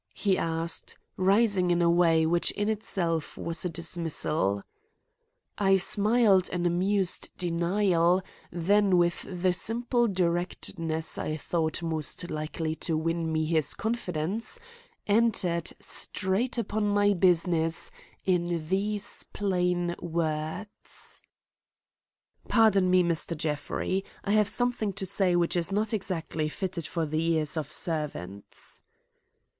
he asked, rising in a way which in itself was a dismissal. I smiled an amused denial, then with the simple directness I thought most likely to win me his confidence, entered straight upon my business in these plain words: "Pardon me, Mr. Jeffrey, I have something to say which is not exactly fitted for the ears of servants."